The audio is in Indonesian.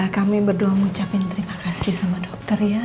kami berdoa mengucapkan terima kasih sama dokter ya